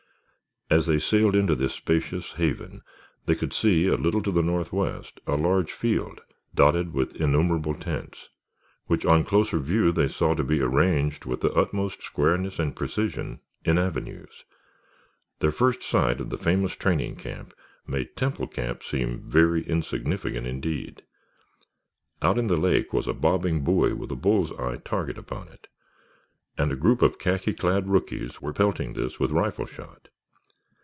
As they sailed into this spacious haven they could see, a little to the northwest, a large field dotted with innumerable tents, which on closer view they saw to be arranged with the utmost squareness and precision, in avenues. Their first sight of the famous training camp made Temple Camp seem very insignificant indeed. Out in the lake was a bobbing buoy with a bulls eye target upon it, and a group of khaki clad rookies were pelting this with rifle shot.